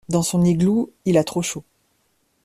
Dans son igloo, il a trop chaud.